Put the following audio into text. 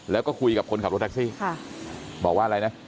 แล้วก็คุยกับคนขับรถแท็กซี่บอกว่าอะไรนะ